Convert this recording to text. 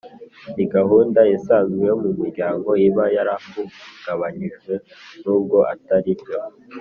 ni gahunda isanzwe yo mu muryango iba yarahungabanyijwe n ubwo Atari byo